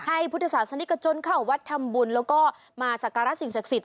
ให้พุทธศาสนิทกระจ้นเข้าวัดธรรมบุญแล้วก็มาศักราชสิ่งศักดิ์สิทธิ์